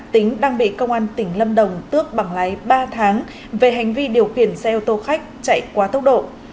tính đang bị công an tỉnh lâm đồng tước bằng lái ba tháng về hành vi điều khiển xe ô tô khách chạy quá tốc độ